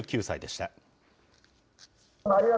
８９歳でした。